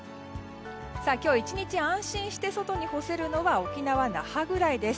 今日１日安心して外に干せるのは沖縄・那覇ぐらいです。